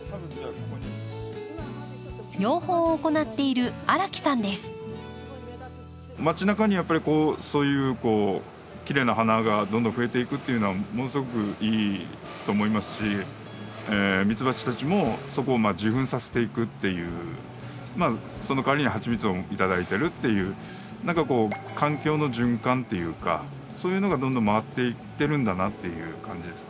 養蜂を行っているまち中にやっぱりこうそういうきれいな花がどんどん増えていくっていうのはものすごくいいと思いますしミツバチたちもそこを受粉させていくっていうまあそのかわりにハチミツを頂いてるっていう何かこう環境の循環っていうかそういうのがどんどん回っていってるんだなっていう感じですかね。